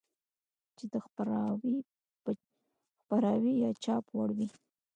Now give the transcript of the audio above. چې د خپراوي يا چاپ وړ وي.